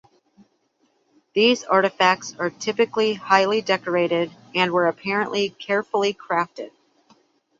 These artifacts are typically highly decorated and were apparently carefully crafted.